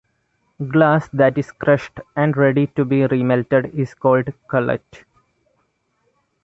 Glass that is crushed and ready to be remelted is called cullet.